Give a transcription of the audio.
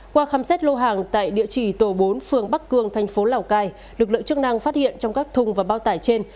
qua khám xét lô hàng tại địa chỉ tổ bốn phường bắc cương thành phố lào cai lực lượng chức năng phát hiện trong các thùng và bao tải trên